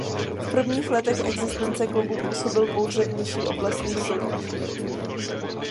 V prvních letech existence klubu působil pouze v nižších oblastních soutěžích.